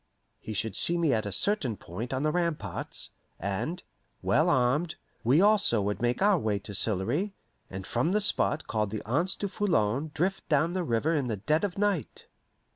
He should see me at a certain point on the ramparts, and, well armed, we also would make our way to Sillery, and from the spot called the Anse du Foulon drift down the river in the dead of night.